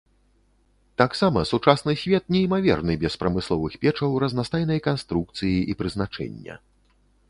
Таксама сучасны свет неймаверны без прамысловых печаў разнастайнай канструкцыі і прызначэння.